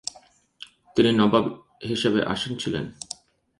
তিনি নবাব হিসেবে আসীন ছিলেন।